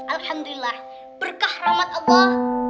alhamdulillah berkah rahmat allah